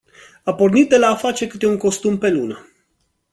A pornit de la a face câte un costum pe lună.